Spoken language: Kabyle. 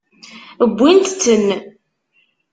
Wwint-ten.